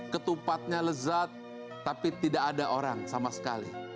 ketupatnya lezat tapi tidak ada orang sama sekali